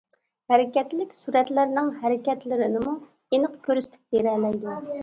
ھەرىكەتلىك سۈرەتلەرنىڭ ھەرىكەتلىرىنىمۇ ئېنىق كۆرسىتىپ بېرەلەيدۇ.